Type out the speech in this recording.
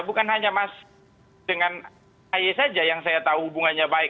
bukan hanya mas dengan ahy saja yang saya tahu hubungannya baik